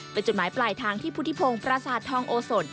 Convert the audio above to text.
เป็นจุดหมายปลายทางที่พุทธิพงศ์ประสาททองโอสน